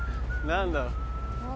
何だ。